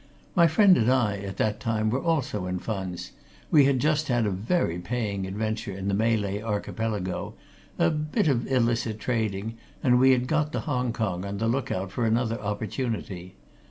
My friend and I, at that time, were also in funds we had just had a very paying adventure in the Malay Archipelago, a bit of illicit trading, and we had got to Hong Kong on the look out for another opportunity.